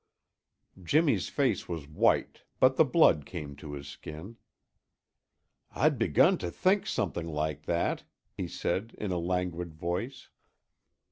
Jimmy's face was white, but the blood came to his skin. "I'd begun to think something like that," he said in a languid voice.